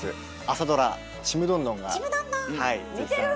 朝ドラ「ちむどんどん」が。